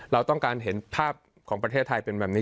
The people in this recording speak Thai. เราต้องการเห็นภาพของประเทศไทยเป็นแบบนี้